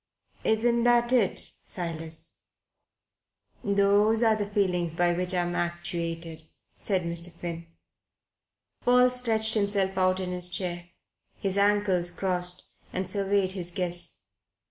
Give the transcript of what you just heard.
Isn't that it, Silas?" "Those are the feelings by which I am actuated," said Mr. Finn. Paul stretched himself out in his chair, his ankles crossed, and surveyed his guests.